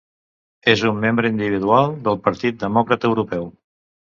És un membre individual del Partit Demòcrata Europeu.